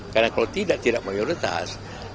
karena kalau tidak tidak mayoritas